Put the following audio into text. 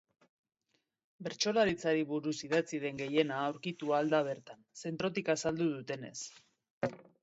Bertsolaritzari buruz idatzi den gehiena aurkitu ahal da bertan, zentrotik azaldu dutenez.